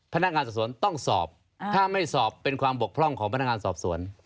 พนักงานสอบสวนต้องสอบถ้าไม่สอบเป็นความบกพร่องของพนักงานสอบสวน